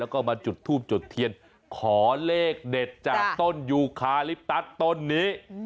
แล้วก็มาจุดทูบจุดเทียนขอเลขเด็ดจากต้นยูคาลิปตัสต้นนี้